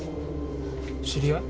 知り合い？